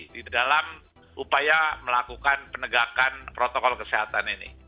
di dalam upaya melakukan penegakan protokol kesehatan ini